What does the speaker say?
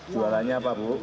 jualannya apa bu